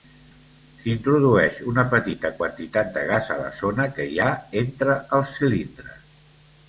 S'introdueix una petita quantitat de gas a la zona que hi ha entre els cilindres.